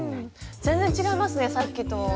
全然違いますねさっきと。